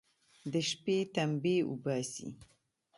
د شپې تمبې اوباسي.